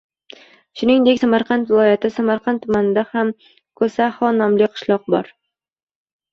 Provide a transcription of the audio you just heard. Shuningdek, Samarqand viloyati Samarqand tumanida ham Ko‘saho nomli qishloq bor.